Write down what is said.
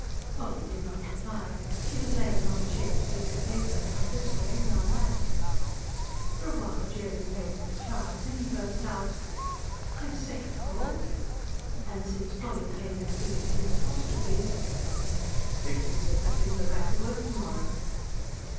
Polly did not reply; she was laying an odd shaped piece of paper now this way, now that. For a while Jerry played with the child. Then he burst out: "I say, Poll!" And since Polly paid no heed to his apostrophe: "Richard says I can get back to work to morrow."